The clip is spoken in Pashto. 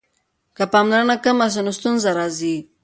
که پاملرنه کمه سي نو ستونزه راځي.